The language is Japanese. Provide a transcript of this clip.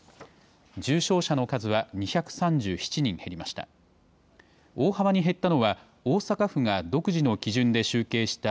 重症者の数は２３７人減りました。